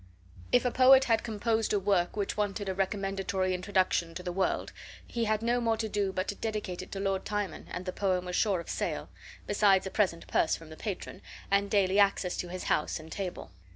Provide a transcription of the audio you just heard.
If a poet had composed a work which wanted a recommendatory introduction to the world, he had no more to do but to dedicate it to Lord Timon, and the poem was sure of sale, besides a present purse from the patron, and daily access to his house and table.